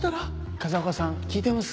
風岡さん聞いてます？